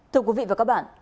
thưa quý vị và các bạn